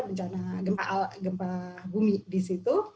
bencana gempa bumi di situ